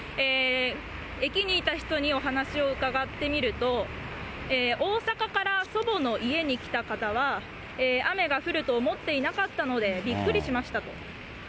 駅にいた人にお話を伺ってみると、大阪から祖母の家に来た方は、雨が降ると思っていなかったので、びっくりしましたと。